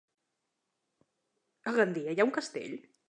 A Gandia hi ha un castell?